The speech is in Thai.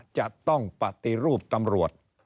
จะต้องปฏิรูปตำรวจ